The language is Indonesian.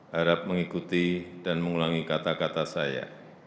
harap mengikuti dan mengulangi kata kata saya